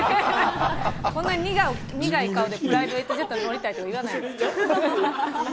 こんな苦い顔でプライベートジェット乗りたいとは言わない。